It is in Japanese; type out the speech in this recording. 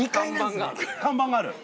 看板がある。